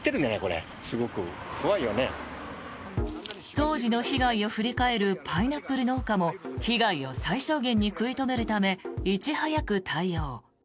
当時の被害を振り返るパイナップル農家も被害を最小限に食い止めるためいち早く対応。